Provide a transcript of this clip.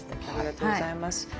ありがとうございます。